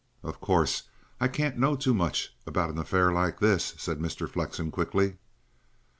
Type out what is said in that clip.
"Of course. I can't know too much about an affair like this," said Mr. Flexen quickly.